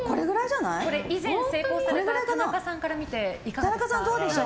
以前成功された田中さんから見ていかがですか？